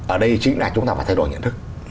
ở đây chính là chúng ta phải thay đổi nhận thức